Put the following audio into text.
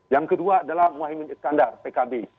yang kedua adalah mohaimin iskandar pkb